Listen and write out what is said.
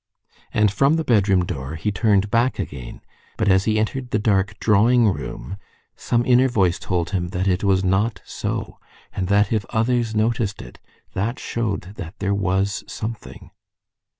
And from the bedroom door he turned back again; but as he entered the dark drawing room some inner voice told him that it was not so, and that if others noticed it that showed that there was something.